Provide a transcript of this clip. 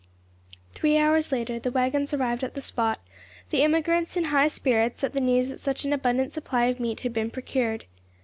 Three hours later the waggons arrived at the spot, the emigrants in high spirits at the news that such an abundant supply of meat had been procured.